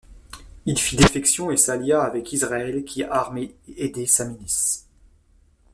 Il fit défection et s'allia avec Israël qui a armé et aidé sa milice.